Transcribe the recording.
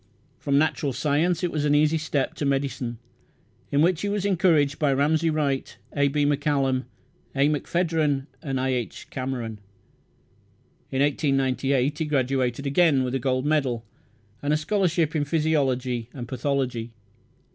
From natural science, it was an easy step to medicine, in which he was encouraged by Ramsay Wright, A. B. Macallum, A. McPhedran, and I. H. Cameron. In 1898 he graduated again, with a gold medal, and a scholarship in physiology and pathology.